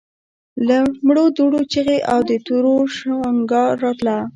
له مړو دوړو چيغې او د تورو شرنګا راتله.